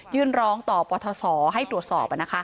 ยื่นร้องต่อปทศให้ตรวจสอบ